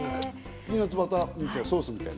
ピーナツバターソースみたい。